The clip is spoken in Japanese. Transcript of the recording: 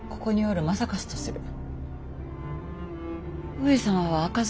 上様は赤面